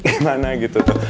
gimana gitu tuh